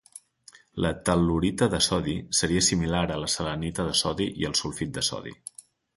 La tel·lurita de sodi seria similar a la selenita de sodi i al sulfit de sodi.